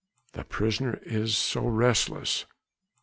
The prisoner is so restless...."